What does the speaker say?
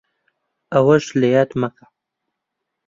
ئەوەش لەیاد مەکە